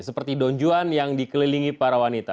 seperti donjuan yang dikelilingi para wanita